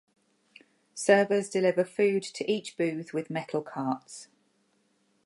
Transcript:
Servers deliver food to each booth with metal carts.